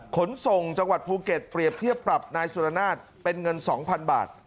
ขนส่งจังหวัดภูเก็ตเปรียบเทียบปรับนายสุรนาศเป็นเงิน๒๐๐๐บาท